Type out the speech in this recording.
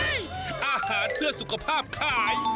ทำเป็นสลัดโอโรอาหารเพื่อสุขรูปอาหารเพื่อสุขภาพค่าย